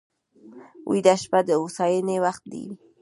ویده شپه د هوساینې وخت وي